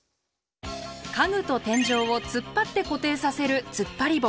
家具と天井を突っ張って固定させるつっぱり棒。